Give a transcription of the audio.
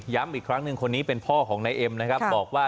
ย้ำอีกครั้งนึงคนนี้เป็นพ่อของน้ำมวล